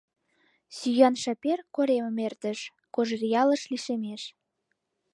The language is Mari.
Сӱан Шапер коремым эртыш, Кожеръялыш лишемеш.